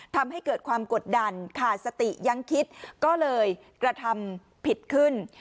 ทำให้เกิดความกดดันขาดสติยังคิดก็เลยกระทำผิดขึ้น